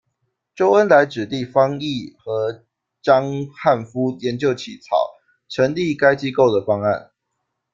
周恩来指定方毅和章汉夫研究起草成立该机构的方案。